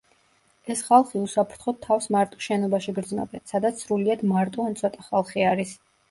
ეს ხალხი უსაფრთხოდ თავს მარტო შენობაში გრძნობენ, სადაც სრულიად მარტო ან ცოტა ხალხი არის.